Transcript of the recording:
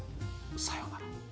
さようなら。